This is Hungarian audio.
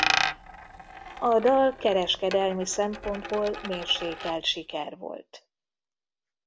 A dal kereskedelmi szempontból mérsékelt siker volt.